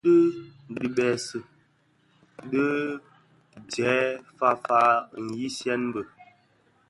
Dhiku di dhibèsèn din dyè faafa nghiesèn bi.